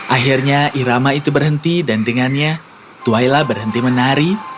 akhirnya irama itu berhenti dan dengannya twaila berhenti menari